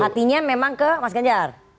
hatinya memang ke mas ganjar